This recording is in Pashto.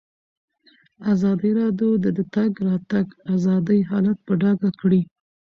ازادي راډیو د د تګ راتګ ازادي حالت په ډاګه کړی.